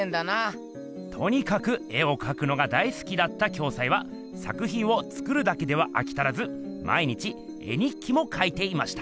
とにかく絵をかくのが大すきだった暁斎は作ひんを作るだけではあきたらず毎日絵日記もかいていました。